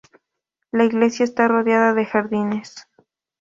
La iglesia está rodeada de jardines.